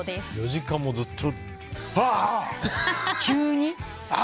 ４時間もずっと。